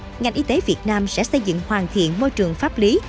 năm hai nghìn ba mươi ngành y tế việt nam sẽ xây dựng hoàn thiện môi trường pháp lý